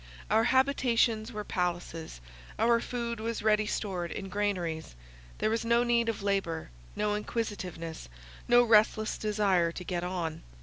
Our habitations were palaces—our food was ready stored in granaries—there was no need of labour, no inquisitiveness, no restless desire to get on.